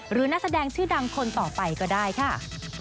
หรือหน้าแสดงชื่อดังคนต่อไปก็ได้ค่ะ